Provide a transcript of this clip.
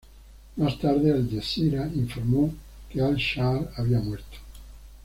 Más tarde, Al Jazeera informó que Al-Shaar había muerto.